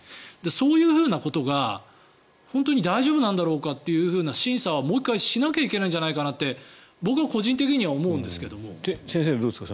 そういうふうなことが本当に大丈夫なんだろうかという審査はもう一回しなきゃいけないんじゃないかなと先生、どうですか？